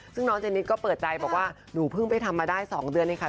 ซึ่งน้องเจนิดก็เปิดใจบอกว่าหนูเพิ่งไปทำมาได้๒เดือนเองค่ะ